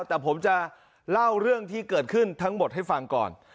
แต่ผมจะเล่าเรื่องที่เกิดขึ้นทั้งหมดให้ฟังก่อน